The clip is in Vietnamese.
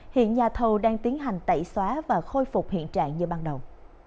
hiện nhà thầu đang tiến hành tẩy xóa và khôi phục hiện trạng như ban đầu